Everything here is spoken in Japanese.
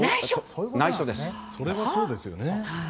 それはそうですよね。